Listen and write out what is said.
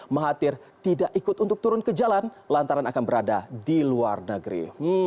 mahathir tidak ikut untuk turun ke jalan lantaran akan berada di luar negeri